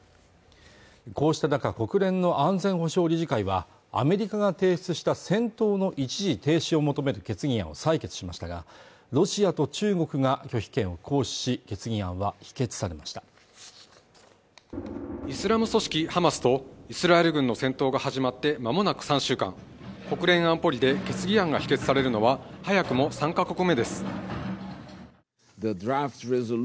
こうした中、国連の安全保障理事会はアメリカが提出した戦闘の一時停止を求める決議案を採決しましたがロシアと中国が拒否権を行使し決議案は否決されましたイスラム組織ハマスとイスラエル軍の戦闘が始まってまもなく３週間国連安保理で決議案が否決されるのは早くも３か国目です